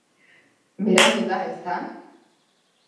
Berandu da, ezta?